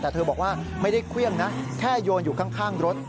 แต่เธอบอกว่าไม่ได้เครื่องนะแค่โยนอยู่ข้างรถ